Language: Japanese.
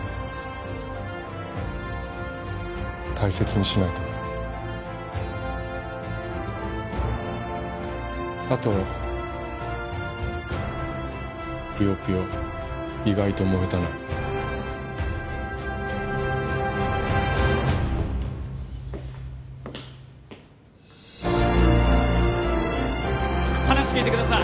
大切にしないとなあとぷよぷよ意外と燃えたな話聞いてください